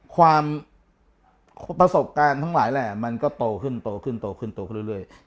ประสบการณ์ทั้งหลายแหละมันก็โตขึ้นโตขึ้นโตขึ้นโตขึ้นเรื่อย